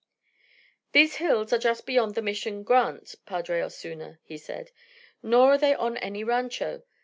"These hills are just beyond the Mission grant, Padre Osuna," he said. "Nor are they on any rancho.